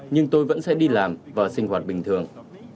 nhưng tôi vẫn sẽ đi làm và sinh hoạt bình thường